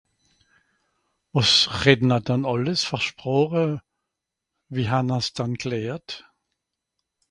wàs redden'r dann àlles fer Sproche? Wie han'r s dann glehrt?